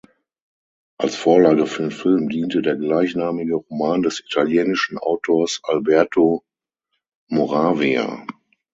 Als Vorlage für den Film diente der gleichnamige Roman des italienischen Autors Alberto Moravia.